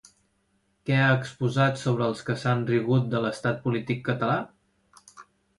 Què ha exposat sobre els que s'han rigut de l'estat polític català?